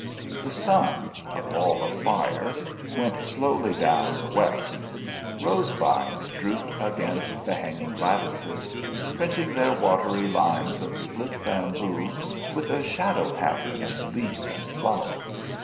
The sun, a ball of fire, went slowly down the west. Rose vines drooped against the hanging lattices, printing their watery lines of split bamboo with a shadow pattern of leaf and flower.